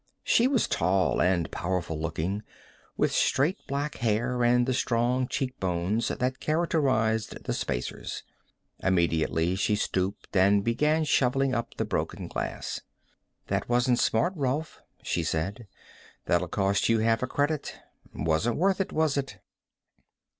She was tall and powerful looking, with straight black hair and the strong cheekbones that characterized the Spacers. Immediately she stooped and began shoveling up the broken glass. "That wasn't smart, Rolf," she said. "That'll cost you half a credit. Wasn't worth it, was it?"